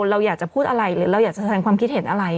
เราอยากจะพูดอะไรหรือเราอยากจะแสดงความคิดเห็นอะไร